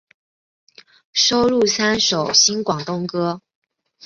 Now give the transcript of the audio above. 收录三首新广东歌。